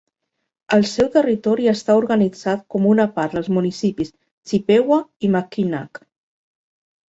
El seu territori està organitzat com una part dels municipis Chippewa i Mackinac.